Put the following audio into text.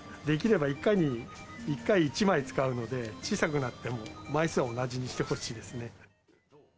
出来れば１回に、１回１枚使うので、小さくなっても、枚数は同じにしてほしいですね。